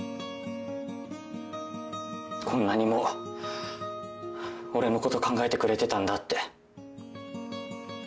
こんなにも俺のこと考えてくれてたんだって。